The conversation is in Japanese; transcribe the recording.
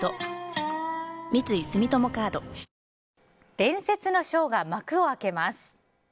伝説のショーが幕を開けます。